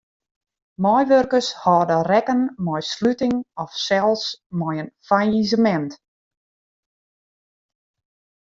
Meiwurkers hâlde rekken mei sluting of sels mei in fallisemint.